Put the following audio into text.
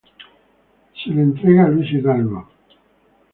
Se la entrega Luis Hidalgo.